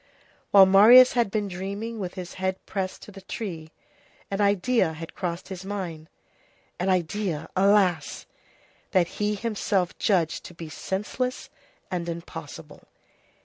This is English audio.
While Marius had been dreaming with his head pressed to the tree, an idea had crossed his mind; an idea, alas! that he himself judged to be senseless and impossible.